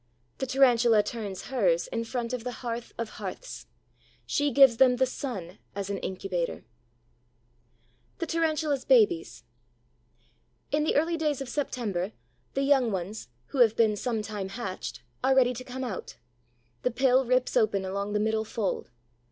The Tarantula turns hers in front of the hearth of hearths: she gives them the sun as an incubator. THE TARANTULA'S BABIES In the early days of September, the young ones, who have been some time hatched, are ready to come out. The pill rips open along the middle fold.